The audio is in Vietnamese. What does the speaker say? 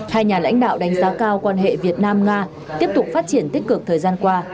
hai nhà lãnh đạo đánh giá cao quan hệ việt nam nga tiếp tục phát triển tích cực thời gian qua